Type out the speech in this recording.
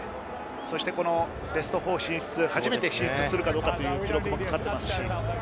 そしてベスト４進出、初めて進出できるかどうかという記録もかかっています。